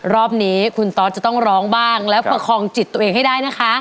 รอบนี้คุณตอสจะต้องร้องบ้างแล้วประคองจิตตัวเองให้ได้นะคะ